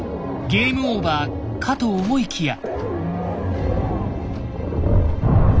ゲームオーバーかと思いきや！